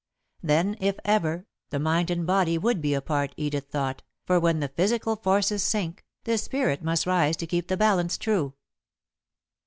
Then, if ever, the mind and body would be apart, Edith thought, for when the physical forces sink, the spirit must rise to keep the balance true.